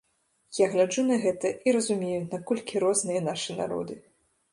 Я гляджу на гэта і разумею, наколькі розныя нашы народы.